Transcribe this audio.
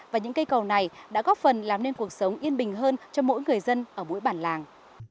và những cây cầu này đã góp phần làm nên cuộc sống yên bình hơn cho mỗi người dân ở mỗi bản làng